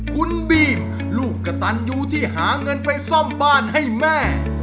คุณบีมลูกกระตันยูที่หาเงินไปซ่อมบ้านให้แม่